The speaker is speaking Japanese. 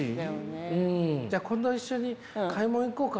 じゃあ今度一緒に買い物行こうかしら。